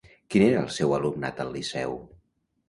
Quin era el seu alumnat al Liceu?